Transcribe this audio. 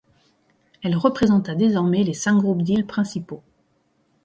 Elle représenta désormais les cinq groupes d'îles principaux.